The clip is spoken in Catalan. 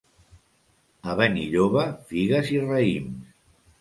A Benilloba, figues i raïms.